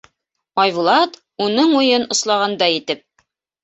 Айбулат, уның уйын ослағандай итеп: